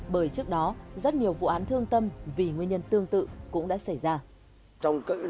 bởi trước đó rất nhiều vụ án thương tâm vì nguyên nhân tương tự cũng đã xảy ra